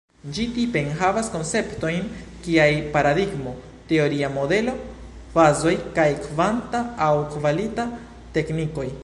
Ĝi, tipe, enhavas konceptojn kiaj paradigmo, teoria modelo, fazoj kaj kvanta aŭ kvalita teknikoj.